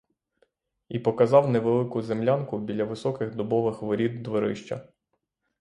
І показав невелику землянку біля високих дубових воріт дворища.